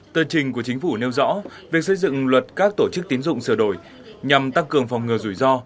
tờ trình của chính phủ nêu rõ việc xây dựng luật các tổ chức tín dụng sửa đổi nhằm tăng cường phòng ngừa rủi ro